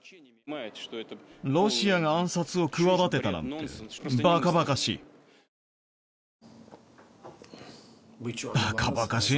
ロシアが暗殺を企てたなんて、ばかばかしい。